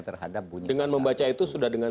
terhadap bunyi kalimat dengan membaca itu sudah dengan